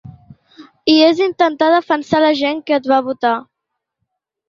I és intentar defensar la gent que et va votar.